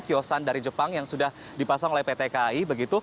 kiosan dari jepang yang sudah dipasang oleh pt kai begitu